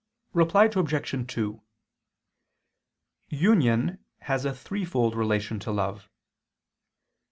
Reply Obj. 2: Union has a threefold relation to love.